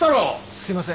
すいません。